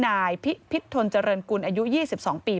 หน้าภิทธน์เจริญกุลอายุ๒๒ปี